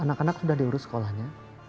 anak anak sudah diurus sekolahnya